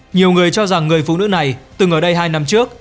nhiều người cho rằng người phụ nữ này từng ở đây hai năm trước